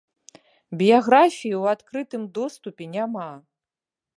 Біяграфіі ў адкрытым доступе няма.